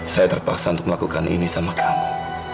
saya terpaksa untuk melakukan ini sama kami